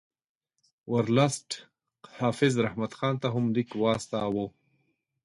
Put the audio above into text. ورلسټ حافظ رحمت خان ته هم لیک واستاوه.